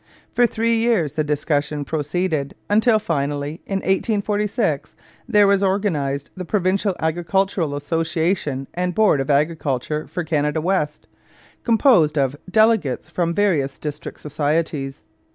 For three years the discussion proceeded, until finally, in 1846, there was organized the Provincial Agricultural Association and Board of Agriculture for Canada West, composed of delegates from the various district societies.